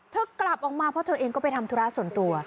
กลับออกมาเพราะเธอเองก็ไปทำธุระส่วนตัว